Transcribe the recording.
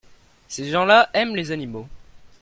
Ces gens-là aiment les animaux.